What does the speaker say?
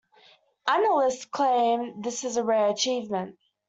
"Analysts" claim this is a rare achievement.